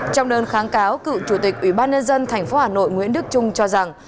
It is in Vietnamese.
trong đơn kháng cáo cựu chủ tịch ủy ban nhân dân tp hà nội nguyễn đức trung cho rằng